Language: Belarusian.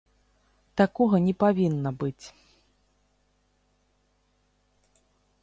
Такога не павінна быць.